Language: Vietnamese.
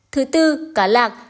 thứ tư cá lạc